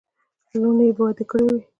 لوڼي یې واده کړې وې.